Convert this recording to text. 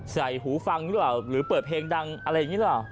ภายผู้ฟังหรือเปิดเพลงดังอะไรอย่างนี้หรือเปล่า